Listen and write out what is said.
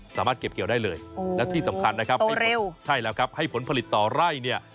สามารถเก็บเกี่ยวได้เลยและที่สำคัญนะครับให้เร็วใช่แล้วครับให้ผลผลิตต่อไร่เนี่ย